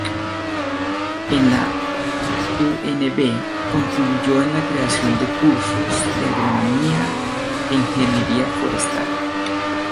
En la "UnB", contribuyó en la creación de cursos de Agronomía e Ingeniería Forestal.